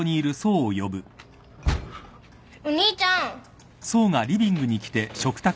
お兄ちゃん。